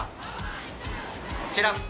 こちら。